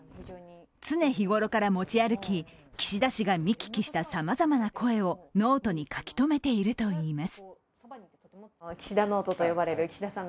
常日頃から持ち歩き、岸田氏が見聞きしたさまざまな声をノートに書き留めているといいます。